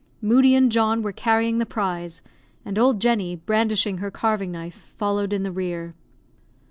Moodie and John were carrying the prize, and old Jenny, brandishing her carving knife, followed in the rear.